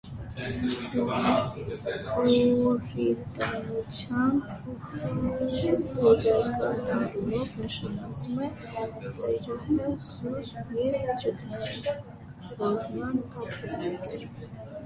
«Պուրիտանություն» փոխաբերական առումով նշանակում է ծայրահեղ զուսպ և ճգնավորական ապրելակերպ։